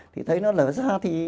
thì thấy nó lở ra thì